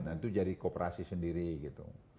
nah itu jadi kooperasi sendiri gitu